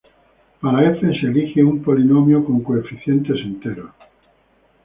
Para "f" se elige un polinomio con coeficientes enteros.